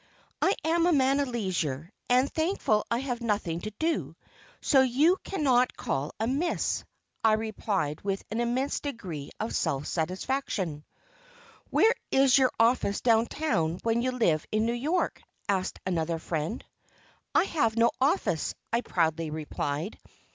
"I am a man of leisure and thankful that I have nothing to do; so you cannot call amiss," I replied with an immense degree of self satisfaction. "Where is your office down town when you live in New York?" asked another friend. "I have no office," I proudly replied.